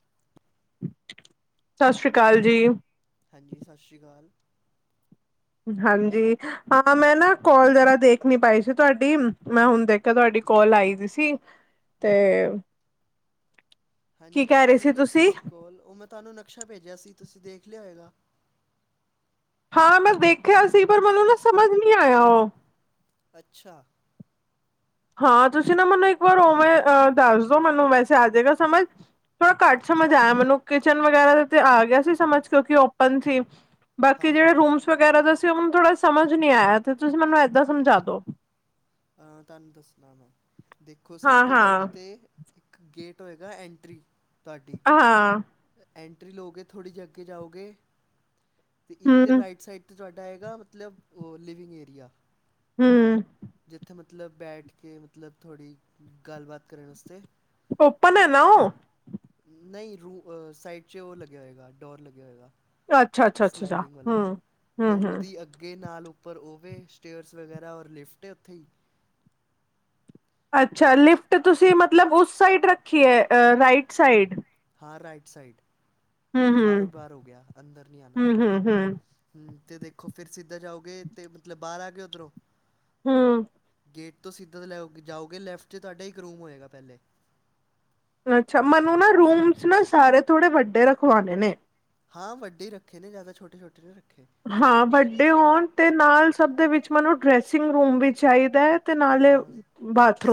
[inaudible] ਸਸ਼੍ਰੀ ਕਾਲ ਜੀ। ਹਾਂਜੀ, ਸਸ਼੍ਰੀ ਕਾਲ। ਹਾਂਜੀ। ਹਾਂ, ਮੈਂ ਨਾ ਕੋਲ ਵਗੈਰਾ ਦੇਖ ਨੀ ਪਾਈ ਸੀ ਤੁਹਾਡੀ, ਮੈਂ ਹੁਨ ਦੇਖਿਆ ਤੁਹਾਡੀ ਕੋਲ ਆਈ ਦੀ ਸੀ। 'ਤੇਵ ਹਾਂਜੀ, ਮੈਂ ਰਹੇ ਤੁਹਾਨੂੰ ਕੀਤੀ ਤੁਸੀਂ ਸੀ ਕੋਲ, ਉਹ ਮੈਂ ਤੁਹਾਨੂੰ ਨਕਸ਼ਾ ਭੇਜਿਆ ਸੀ, ਤੁਸੀਂ ਦੇਖ ਲਿਆ ਹੋਏਗਾ। ਹਾਂ, ਮੈਂ ਵੇਖਿਆ ਸੀ, ਪਰ ਮੈਨੂੰ ਨਾ ਸਮਝ ਨੀ ਆਇਆ ਓ। ਅੱਛਾ। ਹਾਂ, ਤੁਸੀ ਨਾ ਮੈਨੂੰ ਇਕ ਵਾਰ ਉਵੇਂ ਦੱਸਦੋ, ਮੈਨੂੰ ਵੈਸੇ ਆਜੇਗਾ ਸਮਝ। ਥੋੜਾ ਘੱਟ ਸਮਝ ਆਇਆ ਮੈਨੂੰ। ਕਿਚਨ ਵਗੈਰਾ ਤੇ ਆ ਗਿਆ ਸੀ, ਸਮਝ ਕਿਉਕਿ ਓਪਨ ਸੀ। ਬਾਕੀ ਹਾਂ ਜੇੜੇ ਹਾਂ ਰੂਮਸ ਵਗੈਰਾ ਦਾ ਸੀ, ਉਨੂੰ ਥੋੜ੍ਹਾ ਸਮਝ ਨੀ ਆਇਆ, 'ਤੇ ਤੁਸੀ ਮੈਨੂੰ ਏਦਾਂ ਸਮਝਾ ਦੋ। ਹਾਂ, ਤੁਹਾਨੂੰ ਦੱਸਨਾ ਵਾਂ, ਦੇਖੋ, ਸਭ ਹਾਂ ਤੋ ਪਹਿਲੇ ਹਾਂ ਤੇ ਇਕ ਗੇਟ ਹੋਏਗਾ ਐਟਰੀ, ਤੁਹਾਡੀ ਹਾਂ ਐਂਟਰੀ ਲਓਗੇ ਥੋੜ੍ਹੀ ਜੀ ਅੱਗੇ ਜਾਓਗੇ, 'ਤੇ ਇਕ 'ਤੇ ਹੂੰ ਰਾਈਟ ਸਾਈਡ 'ਤੇ ਤੁਹਾਡਾ ਆਏਗਾ ਮਤਲਬ, ਉਹ ਲਿਵਿੰਗ ਏਰੀਆ ਹੂੰ। ਜਿਥੇ ਮਤਲਬ ਬੈਠ ਕੇ ਮਤਲਬ ਥੋੜ੍ਹੀ, ਗੱਲਬਾਤ ਕਰਨ ਵਾਸਤੇ ਓਪਨ ਹੈ ਨਾ ਓ? ਨਈ, ਰੂ 'ਅ ਸਾਈਡ 'ਚ ਉਹ ਲਗੇਆ ਹੋਏਗਾ, ਡੋਰ ਲਗੇਆ ਹੋਏਗਾ। ਅੱਛਾ ਅੱਛਾ ਅੱਛਾ ਅੱਛਾ ਸਲਾਈਡਿੰਗ ਵਾਲਾ, ਹਮ 'ਤੇ ਹਮ ਹਮ ਉਦੀ ਅਗੇ ਨਾਲੋ ਪਰ ਓਵੇ ਸਟੇਅਰਸ ਵਗੈਰਾ ਔਰ ਲਿਫਟ ਹੈ, ਉਥੇ ਹੀ। ਅਛਾ, ਲਿਫਟ ਤੁਸੀ ਮਤਲਬ ਉਸ ਸਾਈਡ ਰਖੀ ਏ, ਰਾਈਟ ਸਾਈਡ। ਹਾਂ, ਰਾਈਟ ਸਾਈਡ, ਹਮ ਮਤਲਬ ਹਮ ਬਾਰੋ- ਬਾਰ ਹੋ ਗਿਆ ਅੰਦਰ ਨੀ ਆਨਾ ਹਮ ਪਏਗਾ। ਹਮ ਹਮ ਹੂੰ, 'ਤੇ ਦੇਖੋ, ਫਿਰ ਸਿਧੇ ਜਾਓਗੇ 'ਤੇ ਮਤਲਬ ਬਾਰ ਆ ਗਏ ਉਧੱਰੋ। ਹਾਂ। ਗੇਟ ਤੋ ਸਿਧਾ ਲੈਉ ਕੇ ਜਾਓਗੇ, ਲੈਫਟ 'ਚ ਤੁਹਾਡਾ ਇਕ ਰੂਮ ਹੋਏਗਾ ਪੈਲੇ। ਅਛਾ, ਮੈਨੂੰ ਨਾ ਰੂਮਸ ਨਾ ਸਾਰੇ ਥੋੜੇ ਵਡੇ ਰਖਵਾਨੇ ਨੇ। ਹਾਂ, ਵਡੇ ਈ ਰਖੇ ਨੇ, ਜਾਦਾ ਛੋਟੇ- ਛੋਟੇ ਨੀ ਰੱਖੇ। ਹਾਂ, ਵੱਡੇ ਹੋਨ ਤੇ ਨਾਲ ਸਭ ਦੇ ਵਿਚ ਮੈਨੂੰ ਡਰੈਸਿੰਗ ਰੂਮ ਵੀ ਚਾਈਦੈ। 'ਤੇ ਨਾਲੇ, ਹਾਂ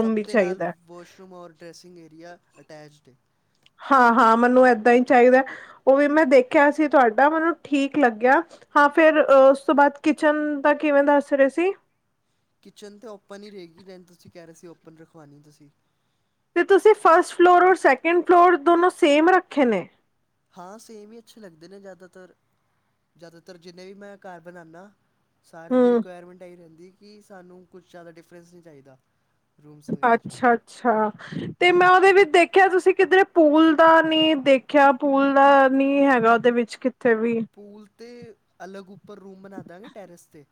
ਸਭ ਵੀ ਦੇ ਨਾਲ ਚਾਈਦੈ। ਵਾਸ਼ਰੂਮ ਔਰ ਡਰੈਸਿੰਗ ਏਰੀਆ, ਅਟੈਚਡ। ਹਾਂ-ਹਾਂ, ਮੈਨੂੰ ਏਦਾ ਈ ਚਾਈਦੈ। ਉਹ ਵੀ ਮੈ ਦੇਖਿਆ ਸੀ ਤੁਹਾਡਾ, ਮੈਨੂੰ ਠੀਕ ਲਗਿਆ। ਹਾਂ, ਫੇਰ ਉਸ ਤੋ ਬਾਦ ਕਿਚਨ ਦਾ ਕਿਵੇਂ ਦਸ ਰੇ ਸੀ? ਕਿਚਨ ਤਾਂ ਓਪਨ ਈ ਰੇਗੀ, ਜੈਵੇਂ ਤੁਸੀ ਕੈਅ ਰੇ ਸੀ, ਓਪਨ ਰਖਵਾਨੀ ਤੁਸੀ। 'ਤੇ ਤੁਸੀ ਫਸਟ ਫਲੋਰ ਔਰ ਸੈਕਿੰਡ ਫਲੋਰ ਦੋਨੋਂ ਸੇਮ ਰੱਖੇ ਨੇ। ਹਾਂ, ਸੇਮ ਈ ਅਛੇ ਲਗਦੇ ਨੇ ਜਾਦਾਤਰ, ਜਾਦਾਤਰ ਜਿਨੇ ਵੀ ਮੈ ਕਾਰ ਬਨਾਨਾ। ਸਾਰਿਆ ਦੀ ਹੂੰ, ਰਿਕੁਆਇਰਮੈਂਟ ਇਹਹੀ ਰਹਿਦੀ ਕਿ ਸਾਨੂੰ ਕੁਛ ਜਿਆਦਾ ਡਿਫਰੈਸ ਨਹੀ ਚਾਹੀਦਾ- ਰੂਮਸ ਵਗੈਰਾ 'ਚ ਅੱਛਾ- ਅੱਛਾ ਤੇ ਅਤੇ ਮੈ ਉਹਦੇ ਵਿਚ ਦੇਖ- ਖੈਰ ਤੁਸੀ ਕਿਧਰੇ ਪੂਲ ਦਾ ਨਹੀ ਦੇਖਿਆ ਪੂਲ ਦਾ ਨੀ ਹੈਗਾ ਉਹਦੇ ਵਿਚ ਕਿਥੇ ਵੀ- ਪੂਲ ਤੇ ਅਲੱਗ ਉਪਰ ਰੂਮ ਬਣਾ ਦਾਗੇ ਟੈਰਸ ਤੇ-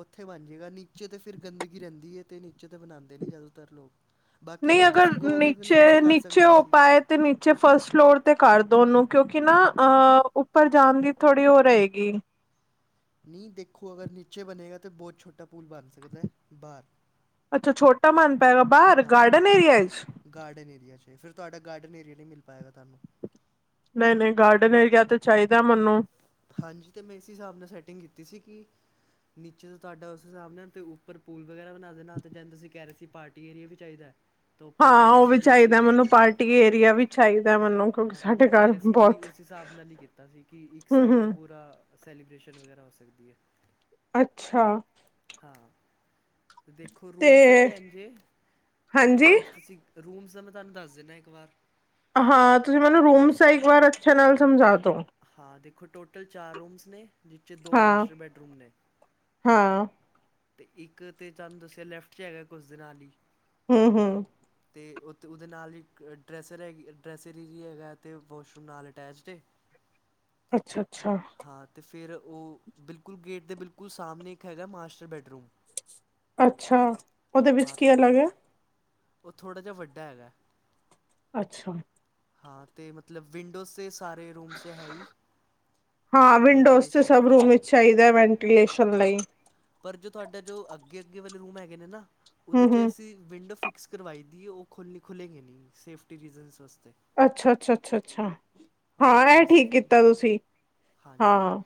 ਉਥੇ ਬਣ ਜਾਏਗਾ ਨੀਚੇ ਤਾਂ ਫਿਰ ਗੰਦਗੀ ਰਹਿਦੀ ਹੈ। ਅਤੇ ਨੀਚੇ ਤਾਂ ਬਣਾਉਦੇ ਨੇ ਜਿਆਦਾ ਤਰ ਲੋਕ- ਬਾਕੀ ਨਹੀ ਅਗਰ ਤੁਸੀਂ ਕਹੋਗੇ ਤਾਂ ਨੀਚੇ- ਕਰ ਨੀਚੇ ਸਕਦੇ ਹਾਂ ਹੋ ਅਸੀਂ ਪਾਏ- ਤੇ ਨੀਚੇ ਫਸਟ ਫਲੋਰ ਤੇ ਕਰ ਦੋ ਉਨੂੰ ਕਿਉਕਿ ਨਾ ਅਹ ਉਪਰ ਜਾਣ ਦੀ ਥੋੜ੍ਹੀ ਉਹ ਰਹੇਗੀ- ਨਹੀ ਦੇਖੋ ਅਗਰ ਨੀਚੇ ਬਣੇਗਾ ਤਾਂ ਬਹੁਤ ਛੋਟਾ ਪੂਲ ਬਣ ਸਕਦਾ ਬਾਹਰ- ਅਛਾ ਛੋਟਾ ਮਨ ਦਾ ਬਾਹਰ ਹਾਂ ਗਾਰਡਨ ਏਰੀਆ ਚ- ਗਾਰਡਨ ਏਰੀਆ 'ਚ ਫਿਰ ਤੁਹਾਡਾ ਗਾਰਡਨ ਏਰੀਆ ਨਹੀਂ ਮਿਲ ਪਾਏਗਾ ਤੁਹਾਨੂੰ- ਨਹੀ- ਨਹੀ ਗਾਰਡਨ ਏਰੀਆ ਤਾਂ ਚਾਹੀਦਾ ਮੈਨੂੰ- ਹਾਂਜੀ ਤੇ ਮੈ ਇਸ ਹਿਸਾਬ ਨਾਲ ਸੈਟਿੰਗ ਕੀਤੀ ਸੀ ਕਿ- ਨੀਚੇ ਤੋ ਤੁਹਾਡਾ ਉਸ ਹਿਸਾਬ ਨਾਲ ਅਤੇ ਉਪਰ ਪੂਲ ਵਗੈਰਾ ਬਣਾਦੇ ਨਾਲ ਅਤੇ ਜਦ ਤੁਸੀ ਕਹਿ ਰਹੇ ਸੀ ਪਾਰਟੀ- ਏਰੀਆ ਵੀ ਚਾਹੀਦਾ ਐ। ਓਪਨ ਹਾਂ ਉਹ ਟੈਰਿਸ ਨੂੰ ਵੀ ਅਸੀ ਚਾਹੀਦਾ ਉਹ ਮੈਨੂੰ ਕਰਤਾ ਸੀ ਪਾਰਟੀ ਏਰੀਆ ਵੀ ਚਾਹੀਦਾ ਮੈਨੂੰ ਕਿਉਂਕਿ ਹਾਂ ਤੇ ਸਾਡੇ ਮੈ ਘਰ ਟੈਰਿਸ ਨੂੰ ਵੀ- ਬਹੁਤ ਉਸ ਹਿਸਾਬ ਨਾਲ ਹੀ ਕੀਤਾ ਸੀ ਕਿ ਇਕ ਸਾਈਡ ਤੇ ਹੂੰ-ਹੂੰ, ਪੂਰਾ ਸੈਲੀਬ੍ਰੇਸ਼ਨ ਵਗੈਰਾ ਹੋ ਸਕਦੀ ਐ। ਅੱਛਾ- ਹਾਂ- ਅਤੇ ਦੇਖੋ ਤੇ ਰੂਮਸ ਦਾਤੇ ਐਨਜੇ ਕਿ ਹਾਂਜੀ ਜੈਨਜ ਤੁਸੀ- ਰੂਮਸ ਦਾ ਮੈ ਤੁਹਾਨੂੰ ਦਸ ਦਿੰਦਾ ਇਕ ਵਾਰ- ਹਾਂ ਤੁਸੀ ਮੈਨੂੰ ਰੂਮਸ ਦਾ ਇਕ ਵਾਰ ਅੱਛੇ ਨਾਲ ਸਮਝਾ ਦੋ। ਹਾਂ ਦੇਖੋ ਟੋਟਲ ਚਾਰ ਰੂਮਸ ਨੇ। ਨੀਚੇ ਦੋ ਮਾਸਟਰ ਬੈਡਰੂਮ ਨੇ। ਹਾਂ-ਹਾਂ, ਤੇ ਇੱਕ ਤੇ ਤੁਹਾਨੂੰ ਦੱਸਿਆ ਲੈਫਟ 'ਚ ਹੈਗਾ ਉਸ ਦੇ ਨਾਲ ਹੀ। ਹੂੰ ਹੂੰ। ਤੇ ਉਹਦੇ ਨਾਲ ਹੀ ਡਰੈਸਰ ਹੈਗੀ ਡਰੈਸਰ ਹੀ ਜੀ ਹੈਗਾ ਅਤੇ ਵਾਸ਼ਰੂਮ ਨਾਲ ਅਟੈਚਡ ਏ। ਅੱਛਾ-ਅੱਛਾ। ਹਾਂ ਤੇ ਫਿਰ ਉਹ ਬਿਲਕੁਲ ਗੇਟ ਦੇ ਬਿਲਕੁਲ ਸਾਹਮਣੇ ਇੱਕ ਹੈਗਾ ਮਾਸਟਰ ਬੈਡਰੂਮ। ਅੱਛਾ ਉਹਦੇ ਵਿੱਚ ਹਾਂ ਕੀ ਤੇ ਅਲੱਗ ਐ। ਉਹ ਥੋੜ੍ਹਾ ਜਿਹਾ ਵੱਡਾ ਹੈਗਾ। ਅੱਛਾ। ਹਾਂ ਤੇ ਮਤਲਬ ਵਿੰਡੋਜ਼ੇ ਸਾਰੇ ਰੂਮਸ ਹੈ ਹੀ। ਹਾਂ ਵਿੰਡੋਸ ਤੇ ਵੈਂਟੀਲੇਸ਼ਨ ਸਭ ਵਾਸਤੇ ਰੂਮ ਵਿੱਚ ਚਾਹੀਦਾ ਵੈਂਟੀਲੇਸ਼ਨ ਲਈ। ਹਾਂ। ਪਰ ਜੋ ਤੁਹਾਡਾ ਜੋ ਅੱਗੇ ਅੱਗੇ ਵਾਲੇ ਰੂਮ ਹੈਗੇ ਨੇ ਨਾ ਉਹਦੇ 'ਚ ਹੂੰ-ਹੂੰ, ਅਸੀਂ। ਵਿੰਡੋ ਫਿਕਸ ਕਰਵਾਈ ਦੀ ਉਹ ਖੁਲੇ ਖੁਲੇਗੇ ਗੇ ਨਹੀਂ ਸੇਫਟੀ ਰੀਜ਼ਨਸ ਵਾਸਤੇ। ਅੱਛਾ- ਅੱਛਾ, ਅੱਛਾ-ਅੱਛਾ ਅੱਛਾ ਹਾਂ ਇਹ ਥੋੜ੍ਹੀ ਠੀਕ ਸੇਫਟੀ ਕੀਤਾ ਤੁਸੀਂ ਹਾਂ।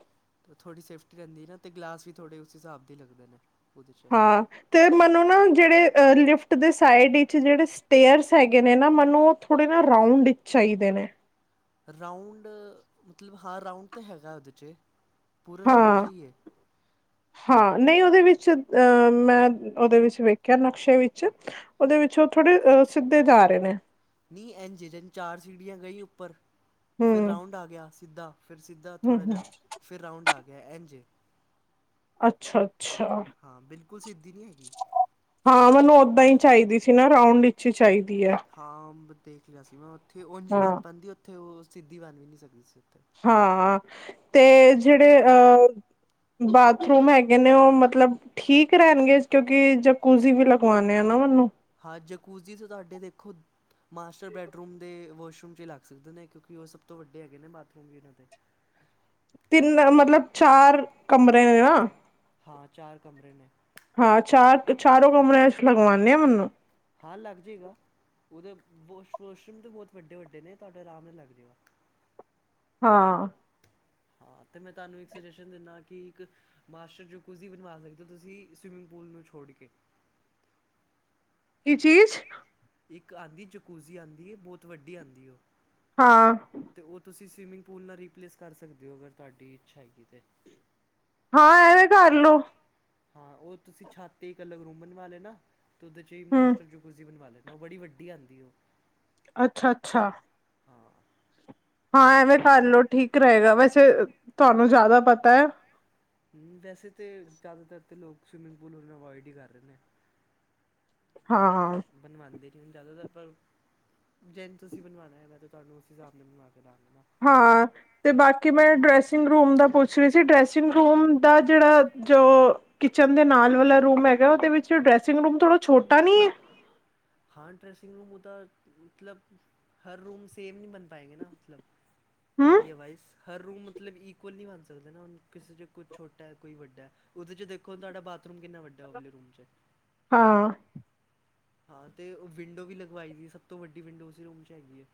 ਥੋੜੀ ਸੇਫਟੀ ਰਹਿੰਦੀ ਨਾ ਅਤੇ ਗਲਾਸ ਵੀ ਥੋੜ੍ਹੇ ਉਸ ਹਿਸਾਬ ਦੀ ਲੱਗਦੇ ਨੇ ਉਹਦੇ 'ਚ। ਹਾਂ ਤੇ ਮੈਨੂੰ ਨਾ ਜਿਹੜੇ ਅਹ ਲਿਫਟ ਦੇ ਸਾਈਡ ਵਿਚ ਜਿਹੜੇ ਸਟੇਅਰਸ ਹੈਗੇ ਨੇ ਨਾ ਮੈਨੂੰ ਉਹ। ਥੋੜੇ ਨਾ ਰਊਂਡ ਵਿੱਚ ਚਾਈਦੇ ਨੇ। ਰਾਊਂਡ ਮਤਲਬ ਹਾਂ ਰਾਊਂਡ ਤਾਂ ਹੈਗਾ ਉਹਦੇ 'ਚ ਪੂਰੇ ਹਾਂ ਰਾਊਂਡ 'ਚ ਹੀ ਹੈ। ਹਾਂ ਨਹੀਂ ਉਹਦੇ ਵਿੱਚ ਮੈਂ ਉਹਦੇ ਵਿੱਚ ਵੇਖਿਆ ਨਕਸ਼ੇ ਵਿੱਚ। ਉਹਦੇ ਵਿੱਚ ਉਹ ਥੋੜੇ ਸਿੱਧੇ ਜਾ ਰਹੇ ਨੇ। ਨਹੀਂ ਐਨਝੇਜਨ ਚਾਰ ਸੀੜੀਆਂ ਗਈ ਉੱਪਰ ਫਿਰ ਹਮ ਰਾਊਂਡ ਆ ਗਿਆ ਸਿੱਧਾ। ਫਿਰ ਸਿੱਧਾ ਹਮ ਥੋੜ੍ਹਾ ਹਮ ਜਿਹਾ ਫਿਰ ਰਾਊਂਡ ਆ ਗਿਆ ਇੰਜ ਏ। ਅੱਛਾ-ਅੱਛਾ। ਹਾਂ ਬਿਲਕੁਲ ਸਿੱਧੀ ਨੀ ਹੈਗੀ। ਹਾਂ ਮੈਨੂੰ ਓਦਾਂ ਈ ਚਾਹੀਦੀ ਸੀ ਨਾ ਰਾਊਂਡ ਵਿੱਚ ਈ ਚਾਹੀਦੀ ਐ। ਹਾਂ ਦੇਖ ਲਿਆ ਸੀ ਮੈਂ ਉੱਥੇ ਉਝ ਈ ਬਣ ਹਾਂ ਪਾਂਦੀ ਉੱਥੇ ਉਹ ਸਿੱਧੀ ਬਣ ਵੀ ਨੀ ਸਕਦੀ ਸੀ ਉੱਥੇ। ਹਾਂ, ਤੇ ਜਿਹੜੇ ਅ ਬਾਥਰੂਮ ਹੈਗੇ ਨੇ ਉਹ ਮਤਲਬ ਠੀਕ ਰਹਿਣਗੇ ਕਿਉਂਕਿ ਜਕੂਜੀ ਵੀ ਲਗਵਾਣੇ ਆ ਨਾ ਮੈਨੂੰ। ਹਾਂ ਜਕੂਜੀ ਤੁਹਾਡੇ ਦੇਖੋ ਮਾਸਟਰ ਬੈਡਰੂਮ ਦੇ ਵਾਸ਼ਰੂਮ 'ਚ ਹੀ ਲੱਗ ਸਕਦੇ ਨੇ ਕਿਉਂਕਿ ਉਹ ਸਭ ਤੋਂ ਵੱਡੇ ਹੈਗੇ ਨੇ ਬਾਥਰੂਮ ਇਹਨਾਂ ਦੇ। ਤਿੰਨ ਮਤਲਬ ਚਾਰ ਕਮਰੇ ਨੇ ਨਾ। ਹਾਂ ਚਾਰ ਕਮਰੇ ਨੇ। ਹਾਂ ਚਾਰ ਚਾਰੋਂ ਕਮਰੇ 'ਚ ਲਗਵਾਨੇ ਆ ਮੈਨੂੰ। ਹਾ ਲੱਗਜੇ ਗਾ, ਉਹਦੇ ਵਾਸ਼ਰੂਮ ਤਾਂ ਬਹੁਤ ਵੱਡੇ-ਵੱਡੇ ਨੇ ਤੁਹਾਡੇ ਆਰਾਮ ਨਾਲ ਲੱਗਜੇ ਗਾ। ਹਾਂ। ਹਾਂ ਤੇ ਮੈਂ ਤੁਹਾਨੂੰ ਇੱਕ ਸੁਜੈਸ਼ਨ ਦਿੰਨਾ ਕਿ ਇੱਕ ਮਾਸਟਰ ਜੋ ਕੂਜੀ ਬਣਵਾ ਸਕਦੇ ਹੋ ਤੁਸੀਂ ਸਵੀਮਿੰਗ ਪੂਲ ਨੂੰ ਛੋੜ ਕੇ। ਕੀ ਚੀਜ਼? ਇੱਕ ਆਂਦੀ ਚਕੂਜ਼ੀ ਆਂਦੀ ਏ ਬਹੁਤ ਵੱਡੀ ਆਂਦੀ ਉਹ। ਹਾਂ। ਤੇ ਉਹ ਤੁਸੀਂ ਸਵੀਮਿੰਗ ਪੂਲ ਨਾਲ ਰੀਪਲੇਸ ਕਰ ਸਕਦੇ ਹੋ ਅਗਰ ਤੁਹਾਡੀ ਇੱਛਾ ਹੈਗੀ ਤੇ। ਹਾਂ ਐਵੇਂ ਕਰਲੋ। ਹਾਂ ਉਹ ਤੁਸੀਂ ਛਾਤ ਤੇ ਅਲਗ ਰੂਮ ਬਣਵਾ ਲੇਨਾ ਤੇ ਉਹਦੇ 'ਚ ਹੀ ਹੂੰ, ਮਾਸਟਰ ਕੂਜ਼ੀ ਬਣਵਾ ਲੈਣਾ ਉਹ ਬੜੀ ਵੱਡੀ ਆਂਦੀ ਉਹ। ਅੱਛਾ-ਅੱਛਾ। ਹਾਂ ਹਾਂ ਐਵੇਂ ਕਰ ਲਓ ਠੀਕ ਰਹੇਗਾ ਵੈਸੇ, ਤੁਹਾਨੂੰ ਜ਼ਿਆਦਾ ਪਤਾ। ਹੂੰ ਵੈਸੇ ਤੇ ਜ਼ਿਆਦਾਤਰ ਤੇ ਲੋਕ ਸਵਿਮਿੰਗ ਪੂਲ ਨੂੰ ਅਵੋਇਡ ਹੀ ਕਰ ਰਹੇ ਨੇ। ਹਾਂ। ਬਣਵਾਦੇ ਨੀ ਜ਼ਿਆਦਾਤਰ ਪਰ ਜੇ ਇਹਨੂੰ ਤੁਸੀਂ ਬਣਵਾਣਾ ਹੈ ਮੈਂ ਤਾਂ ਤੁਹਾਨੂੰ ਉਸ ਹਿਸਾਬ ਨਾਲ ਬਣਵਾ ਕੇ ਦੇਵਾਂਗਾ। ਹਾਂ ਤੇ ਬਾਕੀ ਮੈਂ ਡਰੈਸਿੰਗ ਰੂਮ ਦਾ ਪੁੱਛ ਰਹੀ ਸੀ ਡਰੈਸਿੰਗ ਰੂਮ ਦਾ ਜਿਹੜਾ ਜੋ ਕਿਚਨ ਦੇ ਨਾਲ ਵਾਲਾ ਰੂਮ ਹੈਗਾ ਉਹਦੇ ਵਿੱਚ ਡਰੈਸਿੰਗ ਰੂਮ ਥੋੜ੍ਹਾ ਛੋਟਾ ਨੀ ਏ? ਹਾਂ ਡ੍ਰੈਸਿੰਗ ਰੂਮ ਉਹ, ਮਤਲਬ ਹਰ ਰੂਮ ਸੇਮ ਨਹੀਂ ਬਣ ਪਾਏਂਗੇੇ ਨਾ ਮਤਲਬ। ਹੂੰ, ਏਰੀਆ ਵਇਜ਼, ਹਰ ਰੂਮ ਮਤਲਬ ਇਕੁਅਲ ਨਹੀਂ ਬਣ ਸਕਦੇ ਨਾ ਹੁਣ ਕਿਸੇ ਚ ਕੋਈ ਛੋਟਾ ਕੋਈ ਵੱਡਾ। ਉਹਦੇ 'ਚ ਦੇਖੋ ਤੁਹਾਡਾ ਬਾਥਰੂਮ ਕਿੰਨਾ ਵੱਡਾ ਉਰਲੇ ਰੂਮ 'ਚ। ਹਾਂ। ਹਾਂ ਤੇ ਵਿੰਡੋ ਵੀ ਲਗਵਾਈ ਸੀ ਸਭ ਤੋਂ ਵੱਡੀ ਵਿੰਡੋ ਉਸ ਰੂਮ 'ਚ ਹੈਗੀ ਏ।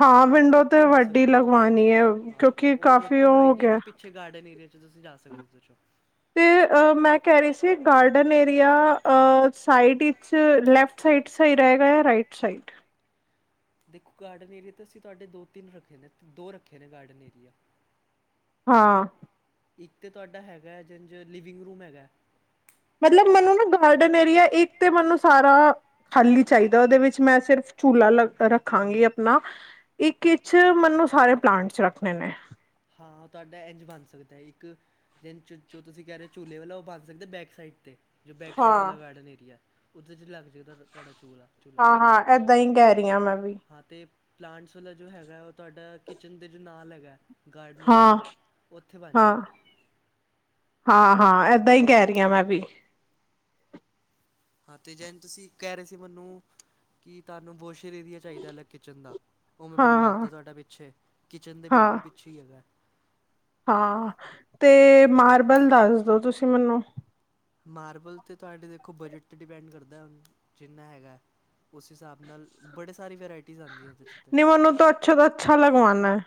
ਹਾਂ ਉਹ ਵਿੰਡੋ ਤੇ ਓਪਨ ਹੋ ਵੱਡੀ ਸਕਦੀ ਉਹ, ਲਗਵਾਣੀ ਹੈ ਹਾਂ ਕਿਉਂਕਿ ਉਹ ਕਾਫੀ ਓਪਨ ਹੋ ਹੋਏਗੀ ਤੇ ਗਿਆ ਪਿ ਪਿਛੇ ਗਾਰਡਨ ਏਰੀਆ 'ਚ ਤੁਸੀਂ ਜਾ ਸਕਦੇ ਉਹਦੇ ਚੋ। ਤੇ ਮੈਂ ਕਹਿ ਰਹੀ ਸੀ ਗਾਰਡਨ ਏਰੀਆ ਅ ਸਾਈਡ ਵਿੱਚ ਲੈਫ ਫਟ ਸਾਈਡ ਸਹੀ ਰਹੇਗਾ ਯਾ ਰਾਈਟ ਸਾਈਡ? ਦੇਖੋ ਗਾਰਡਨ ਏਰੀਆ ਤਾਂ ਅਸੀਂ ਤੁਹਾਡੇ ਦੋ-ਤਿੰਨ ਰੱਖੇ ਨੇ ਦੋ ਰੱਖੇ ਨੇ ਗਾਰਡਨ ਏਰੀਆ। ਹਾਂ ਇੱਕ ਤਾਂ ਤੁਹਾਡਾ ਹੈਗਾ ਜੰਜ ਲਿਵਿੰਗ ਰੂਮ ਹੈਗਾ। ਮਤਲਬ ਮੈਨੂੰ ਨਾ ਗਾਰਡਨ ਏਰੀਆ ਇੱਕ ਤੇ ਮੈਨੂੰ ਸਾਰਾ ਖਾਲੀ ਚਾਹੀਦਾ ਉਹਦੇ ਵਿੱਚ ਮੈਂ ਸਿਰਫ ਝੂਲਾ ਲ ਰੱਖਾਂਗੀ ਆਪਣਾ। ਇੱਕ ਇਚ ਮੈਨੂੰ ਸਾਰੇ ਪਲਾਂਟਸ 'ਚ ਰੱਖਣੇ ਨੇ ਹਾਂ ਤਾਡਾ ਇੰਝ ਬਣ ਸਕਦਾ ਹੈ ਇੱਕ ਜਿਹਨੂੰ ਜੋ ਤੁਸੀਂ ਕਹਿ ਰਹੇ ਹੋ ਝੂਲੇੇ ਵਾਲੋਂ ਉਹ ਬਣ ਸਕਦੇ ਬੈਕ ਸਾਈਡ ਤੇ ਜੋ ਬੈਕ ਸਾਈਡ ਹਾਂ ਵਾਲਾ ਗਾਰਡਨ ਏਰੀਆ ਉਹੱਦੇ 'ਚ ਲੱਗ ਜਾਵੇਗਾ ਤੁਹਾ ਤੁਹਾਡਾ ਚੂਲਾ ਹਾਂ- ਹਾਂ, ਐਦਾਂ ਹੀ ਕਹਿ ਰਹੀ ਹਾਂ ਮੈਂ ਵੀ ਹਾਂ ਤੇ ਪਲਾਂਟਸ ਵਾਲਾ ਜੋ ਹੈਗਾ, ਉਹ ਤੁਹਾਡਾ ਕਿਚਨ ਦੇ 'ਚ ਨਾਲ ਹੈਗਾ ਗਾਰਡਨ ਹਾਂ ਏਰੀਆ, ਉੱਥੇ ਬਣ ਹਾਂ ਜਾਏਗਾ ਹਾਂ- ਹਾਂ ਐਦਾਂ ਹੀ ਕਹਿ ਰਹੀ ਹਾਂ ਮੈਂ ਵੀ ਹਾਂ ਤੇ ਜੈਨ ਤੁਸੀਂ ਕਹਿ ਰਹੇ ਸੀ ਮੈਨੂੰ ਕਿ, ਤੁਹਾਨੂੰ ਬੋਸ਼ਰ ਏਰੀਆ ਚਾਹੀਦਾ ਅਲੱਗ ਕਿਚਨ ਦਾ, ਉਹ ਮੈਂ ਹਾਂ ਹਾਂ ਬਣਵਾਤਾ ਤਾਡਾ ਪਿੱਛੇ, ਕਿਚਨ ਦੇ ਹਾਂ ਬਿਲਕੁਲ ਪਿੱਛੇ ਹੀ ਹੈਗਾ ਹਾਂ, ਤੇ ਮਾਰਬਲ ਦੱਸਦੋ ਤੁਸੀਂ ਮੈਨੂੰ ਮਾਰਬਲ 'ਤੇ ਤਾਡੇ ਦੇਖੋ ਬਜਟ 'ਤੇ ਡਿਪੈਂਡ ਕਰਦਾ ਹੁਣ, ਜਿੰਨਾ ਹੈਗਾ ਉਸ ਹਿਸਾਬ ਨਾਲ ਬੜੇ ਸਾਰੀ ਵਰਾਇ ਨਿਮਨ ਨੂੰ ਤਾਂ ਅੱਛਾ ਤੋਂ ਅੱਛਾ ਲਗਵਾਨਾ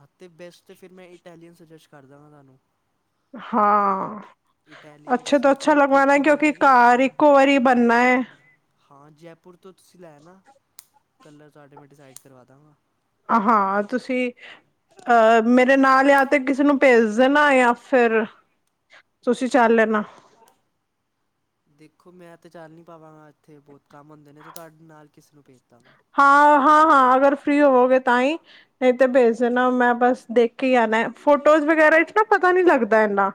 ਹਾਂ ਤੇ ਬੈਸਟ ਫੇਰ ਮੈਂ ਇਟੈਲੀਅਨ ਸੁਜੈਸਟ ਕਰ ਦਵਾਂ ਤੁਹਾਨੂੰ ਹਾਂ ਇਟਾਲੀਅਨ ਅੱਛਾ ਤੋਂ ਤੁਸੀਂ ਅੱਛਾ ਜੈਪੁਰ ਲਗਵਾਨਾ ਤੋਂ ਮਿਲ ਕਿਉਂਕਿ ਜਾਏਗੇ ਘਰ ਅੱਛੇ ਇੱਕੋ ਵਾਰੀ ਬਣਨਾ ਏ ਹਾਂ ਜੈਪੁਰ ਤੋਂ ਤੁਸੀਂ ਲੈ ਆਨਾ, ਕਲਰ ਤਾਡੇ ਮੈਂ ਡਿਸਾਈਡ ਕਰਵਾ ਦਾਂਗਾ ਹਾਂ ਤੁਸੀਂ, ਅਹ ਮੇਰੇ ਨਾਲ ਆ ਤੇ ਕਿਸੀ ਨੂੰ ਭੇਜ ਦੇਣਾ, ਜਾਂ ਫੇਰ ਤੁਸੀਂ ਚੱਲ ਲੈਣਾ ਦੇਖੋ ਮੈਂ ਤੇ ਚੱਲ ਨੀ ਪਾਵਾਂਗਾ ਇੱਥੇ ਬਹੁਤ ਕੰਮ ਹੁੰਦੇ ਨੇ ਤੇ ਤਾਡੇ ਨਾਲ ਕਿਸੇ ਨੂੰ ਭੇਜਦਾ ਵਾਂ ਹਾਂ- ਹਾਂ- ਹਾਂ ਅਗਰ ਫ੍ਰਰੀ ਹੋਊਗੇ ਤਾਂਹੀ ਨਹੀਂ ਤੇ ਭੇਜ ਦੇਣਾ, ਮੈਂ ਬਸ ਦੇਖ ਹੀ ਆਣਾ, ਫੋਟੋਜ਼ ਵਗੈਰਾ 'ਚ ਨਾ ਪਤਾ ਨੀ ਲੱਗਦਾ ਐਨਾ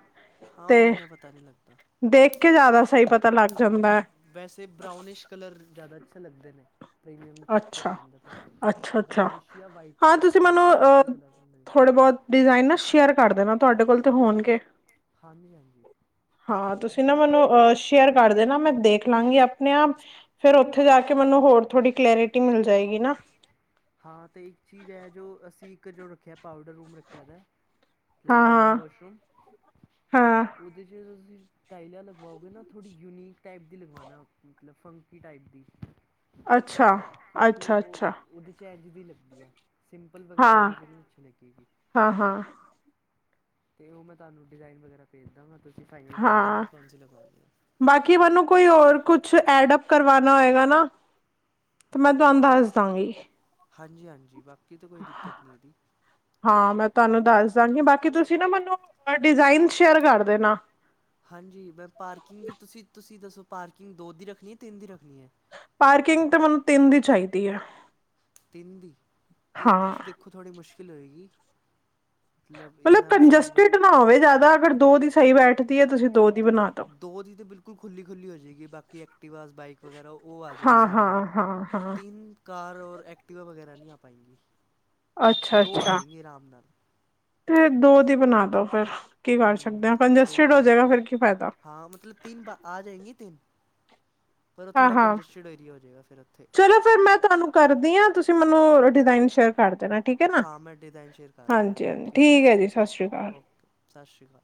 ਹਾਂ ਉਹ ਇੰਨਾ ਪਤਾ ਨਹੀਂ ਲੱਗਦਾ ਦੇਖ ਕੇ ਜ਼ਿਆਦਾ ਸਹੀ ਪਤਾ ਲੱਗ ਜਾਂਦਾ ਵੈਸੇ ਬਰਾਊਨਿਸ਼ ਕਲਰ ਜ਼ਿਆਦਾ ਅੱਛੇ ਲੱਗਦੇ ਨੇ ਪ੍ਰੀਮੀਅਮ 'ਚ ਆ ਅੱਛਾ ਜਾਂਦਾ ਥੋੜਾ, ਅੱਛਾ ਅੱਛਾ ਬ੍ਰਊਨਸ਼ ਜਾਂ ਵਾਈਟ ਹਾਂ ਤੁਸੀਂ ਮੈਨੂੰ ਬਾਕੀ ਹੋਰ ਕੋਈ ਅ ਕਲਰ ਨਹੀ ਮੇਰੇ ਖਿਆਲ ਥੋੜੇ ਬਹੁਤ ਡਿਜ਼ਾਇਨ ਨਾ ਸ਼ੇਅਰ ਕਰ ਦੇਣਾ, ਤਾਡੇ ਕੋਲ ਤੇ ਹੋਣਗੇ ਹਾਂਜੀ- ਹਾਂਜੀ ਹਾਂ ਤੁਸੀਂ ਨਾ ਮੈਨੂੰ, ਅਛ ਸ਼ੇਅਰ ਕਰ ਦੇਣਾ ਮੈਂ ਦੇਖ ਲਵਾਂਗੀ ਆਪਣੇ ਆਪ, ਫਿਰ ਉੱਥੇ ਜਾ ਕੇ ਮੈਨੂੰ ਹੋਰ ਥੋੜੀ। ਰੇਟਿੰਗ ਮਿਲ ਜਾਏਗੀ ਨਾ। ਹਾਂ ਤੇ ਇੱਕ ਚੀਜ਼ ਹੈ ਜੋ ਅਸੀਂ ਇੱਕ ਜੋ ਰੱਖਿਆ ਪਾਊਡਰ ਰੂਮ ਰੱਖਿਆ ਦਾ। ਸਲਿਪ ਕਾਮਨ ਹਾਂ, ਹਾਂ, ਵਾਸ਼ਰੂਮ, ਹਾਂ ਉਹਦੇ 'ਚ ਤੁਸੀਂ ਟਾਈਲਾਂ ਲਗਵਾਓਗੇ ਨਾ। ਥੋੜ੍ਹੀ ਯੂਨੀਕ ਟਾਈਪ ਦੀ ਲਗਵਾਉਣਾ, ਮਤਲਬ ਫੰਕੀ ਟਾਈਪ ਦੀ। ਅੱਛਾ, ਉਹ ਕਿਉਂਕਿ ਅੱਛਾ, ਉਹ। ਅੱਛਾ। ਉਹਦੇ 'ਚ ਇੰਝ ਦੀ ਲੱਗੀ ਹੈ, ਸਿੰਪਲ ਵਗੈਰਾ ਉਹਦੇ 'ਚ ਨੀ ਅੱਛੀ ਲੱਗੇਗੀ ਹਾਂ-ਹਾਂ। ਤੇ ਉਹ ਮੈਂ ਤੁਹਾਨੂੰ ਡਿਜ਼ਾਇਨ ਵਗੈਰਾ ਭੇਜ ਦਾਂਗਾ ਤੁਸੀਂ ਫਾਈਨਲ ਕਰ ਦੇਣਾ ਹਾਂ। ਕੌਣਸੀ ਲਗਵਾਣੀ। ਬਾਕੀ ਮੈਨੂੰ ਕੋਈ ਹੋਰ ਕੁਛ ਐਡਪ ਕਰਵਾਣਾ ਹੋਏਗਾ ਨਾ। ਤੇ ਮੈਂ ਤੁਹਾਨੂੰ ਦੱਸ ਦਾਂਗੀ। ਹਾਂਜੀ-ਹਾਂਜੀ ਬਾਕੀ ਤਾਂ ਕੋਈ ਦਿੱਕਤ ਨੀ ਇਹਦੀ। ਹਾਂ ਮੈਂ ਤੁਹਾਨੂੰ ਦੱਸ ਦਾਂਗੀ ਬਾਕੀ ਤੁਸੀਂ ਨਾ ਮੈਨੂੰ ਹੋਰ ਡਿਜ਼ਾਇਨ ਸ਼ੇਅਰ ਕਰ ਦੇਨਾ। ਹਾਂਜੀ ਮੈਂ ਪਾਰਕਿੰਗ ਦੀ ਤੁਸੀਂ ਤੁਸੀਂ ਦੱਸੋ ਪਾਰਕਿੰਗ ਦੋ ਦੀ ਰੱਖਣੀ, ਤਿੰਨ ਦੀ ਰੱਖਣੀ ਹੈ। ਪਾਰਕਿੰਗ ਤਾਂ ਮੈਨੂੰ ਤਿੰਨ ਦੀ ਚਾਹੀਦੀ ਹੈ। ਤਿੰਨ ਦੀ ਤਿੰਨ ਦੀ ਹਾਂ, ਤਾਂ ਦੇਖੋ ਥੋੜ੍ਹੀ ਮੁਸ਼ਕਿਲ ਹੋਏਗੀ ਮਤਲਬ ਇੰਨਾ ਸਹੀ ਨਹੀਂ ਬੈਠ ਕੰਜਸਟਿਡ ਨਾ ਹੋਵੇ ਜਿਆਦਾ ਅਗਰ ਦੋ ਦੀ ਸਹੀ ਹਾਂ ਬੈਠਦੀ ਹੈ। ਤੁਸੀਂ ਦੋ ਦੀ ਬਣਾ ਦਓ। ਦੋ ਦੀ ਤਾਂ ਬਿਲਕੁਲ ਖੁੱਲੀ ਖੁੱਲ੍ਹ ਹੋ ਜਾਏਗੀ। ਬਾਕੀ ਐਕ ਐਕਟੀਵਾ ਬਾਈਕ ਵਗੈਰਾ ਉਹ ਆ ਜਾਏਗੀ ਹਾਂ, ਸਾਰੀਆਂ ਹਾਂ, ਹਾਂ, ਹਾਂ, ਤਿੰਨ ਕਾਰ ਔਰ ਐਕਟੀਵਾ। ਐਕਟੀਵਾ ਵਗੈਰਾ ਨਹੀਂ ਆ ਪਾਂਏਗੀ। ਅੱਛਾ-ਅੱਛਾ ਤੇ ਦੋ ਦੀ ਬਣਾ ਦੋ ਫਿਰ। ਕੀ ਕਰ ਸਕਦੇ ਹਾਂ ਕੰਜਸਟਿਡ ਹੋ ਆ ਜਾਵੇਗਾ ਫਿਰ ਸਕਦੀ ਕੀ ਫਾਇਦਾ ਹਾਂ ਮਤਲਬ ਤਿੰਨ ਬਾ ਆ ਜਾਏਗੀ ਤਿੰਨ ਪਰ ਉਹ ਥੋੜ੍ਹਾ ਹਾਂ-ਹਾਂ ਕੰਜਸਟਡ ਏਰੀਆ ਹੋ ਜਾਏਗਾ ਫਿਰ ਉੱਥੇ। ਚਲੋ ਫਿਰ ਮੈਂ। ਤੁਹਾਨੂੰ ਕਰਦੀ ਆ ਤੁਸੀਂ ਮੈਨੂੰ ਡਿਜ਼ਾਇਨ ਸ਼ੇਅਰ ਕਰ ਦੇਣਾ। ਠੀਕ ਹੈ ਨਾ ਹਾਂ ਮੈਂ ਡਿਜ਼ਾਇਨ ਸ਼ੇਅਰ ਕਰ ਰਿਹਾ ਤੁਹਾਨੂੰ ਹਾਂਜੀ-ਹਾਂਜੀ ਠੀਕ ਹੈ ਜੀ ਸਤਿ ਸ਼੍ਰੀ ਅਕਾਲ। ਓਕੇ ਸਤਿ ਸ਼੍ਰੀ ਅਕਾਲ।